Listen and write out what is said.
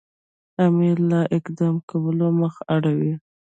امیر له اقدام کولو مخ اړوي.